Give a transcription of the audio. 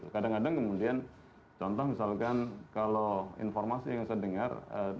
kadang kadang kemudian contoh misalkan kalau informasi yang saya dengar